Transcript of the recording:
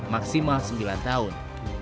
maksimal sembilan tahun